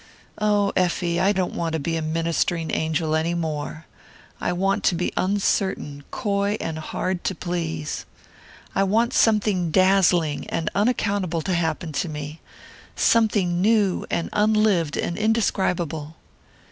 Oh, Effie, I don't want to be a ministering angel any more I want to be uncertain, coy and hard to please. I want something dazzling and unaccountable to happen to me something new and unlived and indescribable!"